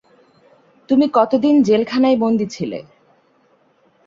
তুমি কতদিন জেলখানায় বন্দী ছিলে?